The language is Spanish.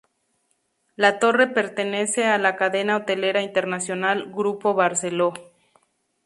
La torre pertenece a la cadena hotelera internacional Grupo Barceló.